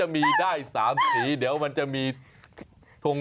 อันนี้เป็นสายพันธุ์เดียวกันไหมครับ